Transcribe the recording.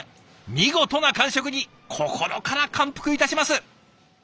見事な完食に心から感服いたします。